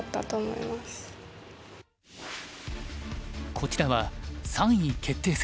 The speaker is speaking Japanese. こちらは３位決定戦。